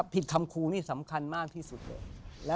ผิดคำครูนี่สำคัญมากที่สุดเลย